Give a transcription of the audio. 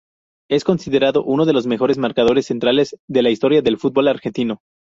Es considerado uno de los mejores marcadores centrales de la historia del fútbol argentino.